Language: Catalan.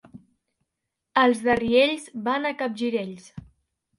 Els de Riells van a capgirells.